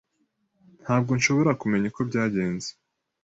Ntabwo nshobora kumenya uko byagenze.